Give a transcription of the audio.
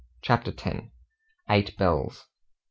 CHAPTER X. EIGHT BELLS.